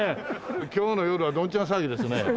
今日の夜はどんちゃん騒ぎですね。